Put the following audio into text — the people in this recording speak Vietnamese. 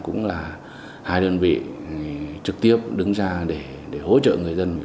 cũng là hai đơn vị trực tiếp đứng ra để hỗ trợ người dân